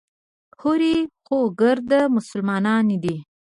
هورې خو ګرده مسلمانان دي.